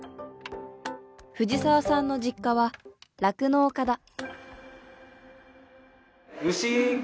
藤澤さんの実家は酪農家だ。